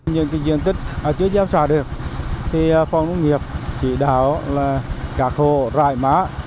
những cái diện tích chưa gieo xạ được thì phòng công nghiệp chỉ đảo là cạc hồ rải má